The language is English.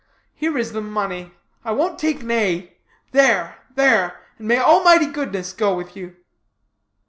Here is the money. I won't take nay. There, there; and may Almighty goodness go with you."